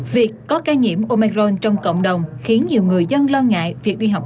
việc có ca nhiễm omeron trong cộng đồng khiến nhiều người dân lo ngại việc đi học